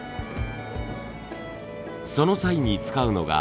その際に使うのが金型。